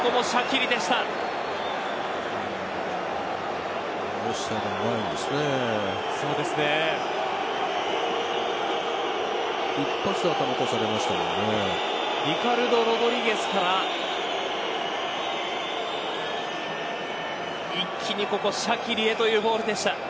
リカルド・ロドリゲスから一気に、ここシャキリへというボールでした。